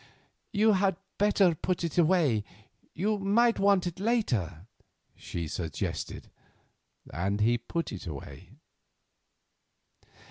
"You had better put it away; you may want it later," she suggested. And he put it away.